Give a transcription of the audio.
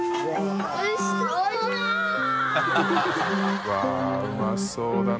うわっうまそうだな。